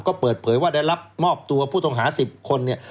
ก็เปิดเผยว่าได้รับมอบตัวผู้ทงหา๑๐คน